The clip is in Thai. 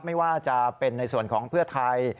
ไม่ว่าจะเป็นในส่วนของเพื่อไทย